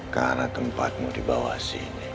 karena tempatmu di bawah sini